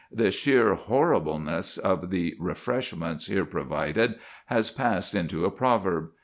The sheer horribleness of the "refreshments" here provided has passed into a proverb.